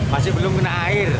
masih belum kena air